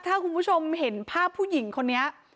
ถ้าคุณผู้ชมเห็นภาพผู้หญิงคนนี้